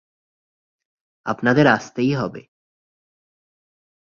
আপনাদের আসতেই হবে।